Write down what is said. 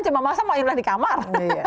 cuma masa mau imlek di kamar